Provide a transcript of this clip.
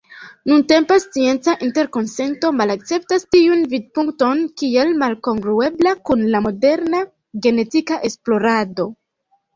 Nuntempa scienca interkonsento malakceptas tiun vidpunkton kiel malkongruebla kun la moderna genetika esplorado.